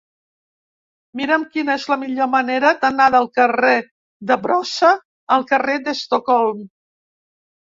Mira'm quina és la millor manera d'anar del carrer de Brossa al carrer d'Estocolm.